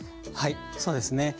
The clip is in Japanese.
はいそうですね。